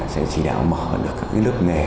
sẽ chỉ đạo mở được các lớp nghề